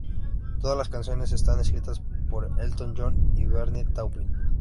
Todas las canciones están escritas por Elton John y Bernie Taupin.